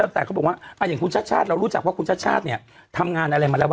ถ้าอยากได้ก็ไปทำนะ